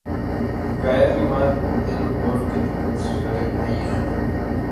Caerle mal es lo peor que te puede suceder allí dentro.